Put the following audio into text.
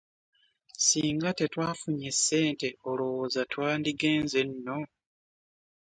Ssinga tetwafunye ssente olowooza twandigenze nno?